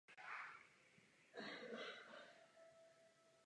Pohlavně dospívají koncem druhého roku života.